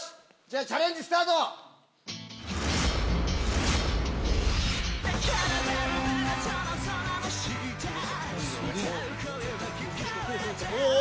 じゃあチャレンジスタート！おお！